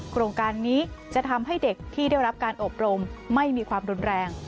โครงการนี้จะทำให้เด็กที่ได้รับการอบรมไม่มีความรุนแรง